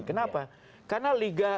kenapa karena liga